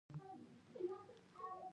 نو پۀ دواړو کښې د انټي بائيوټک ضرورت نشته